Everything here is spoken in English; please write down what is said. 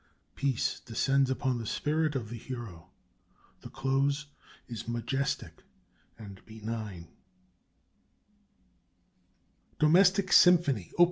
Peace descends upon the spirit of the Hero. The close is majestic and benign. "DOMESTIC SYMPHONY": Op.